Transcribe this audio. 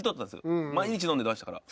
毎日飲んでましたから。